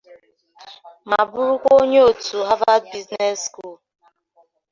ma bụrụkwa onye òtù 'Harvard Business School